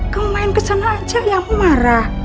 kemain kesana aja ayahmu marah